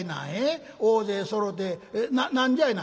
大勢そろて何じゃいな？」。